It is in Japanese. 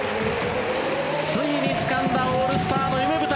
ついにつかんだオールスターの夢舞台。